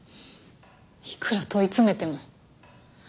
いくら問い詰めても。